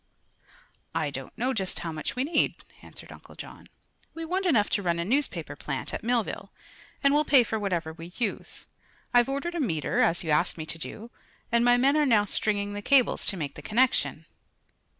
"I don't know just how much we need," answered Uncle John. "We want enough to run a newspaper plant at Millville, and will pay for whatever we use. I've ordered a meter, as you asked me to do, and my men are now stringing the cables to make the connection."